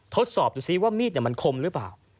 ทดสอบดูซิว่ามีดมันคมหรือเปล่า